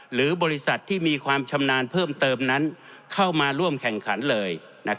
หรือบริษัทที่มีความชำนาญเพิ่มเติมนั้นเข้ามาร่วมแข่งขันเลย